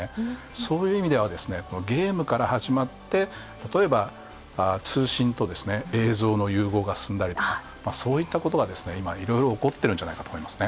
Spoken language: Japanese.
そういう意味ではゲームから始まって、例えば通信と映像の融合が進んだりとか、そういったことが、いろいろ起こってるんじゃないかと思います。